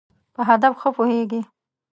په هدف ښه پوهېږی.